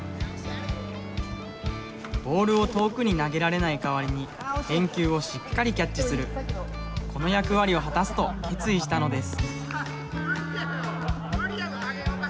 ボールを遠くに投げられない代わりに返球をしっかりキャッチするこの役割を果たすと決意したのです。